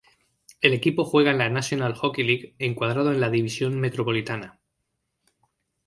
El equipo juega en la National Hockey League encuadrado en la División Metropolitana.